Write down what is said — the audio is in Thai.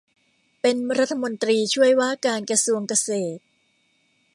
เป็นรัฐมนตรีช่วยว่าการกระทรวงเกษตร